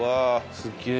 すげえ。